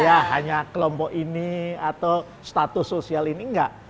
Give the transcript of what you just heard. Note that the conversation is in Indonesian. iya hanya kelompok ini atau status sosial ini enggak